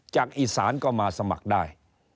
จากอีสานก็มาสมัครได้